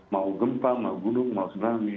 mau gempa mau gunung mau tsunami